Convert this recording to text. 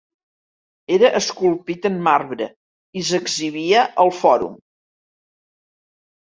Era esculpit en marbre i s'exhibia al fòrum.